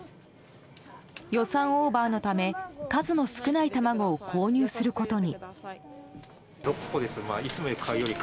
予算オーバーのため数の少ない卵を購入することに。